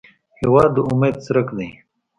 هېواد د امید څرک دی.